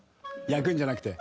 焼くんじゃなくて？